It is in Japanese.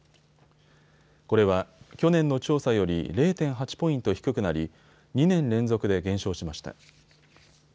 これは去年の調査より０．８ポイント低くなり２年連続で減少しました。